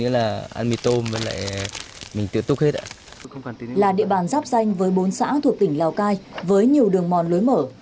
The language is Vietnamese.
là địa bàn giáp danh với bốn xã thuộc tỉnh lào cai với nhiều đường mòn lối mở